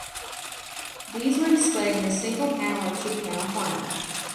These were displayed in a single-panel or two-panel format.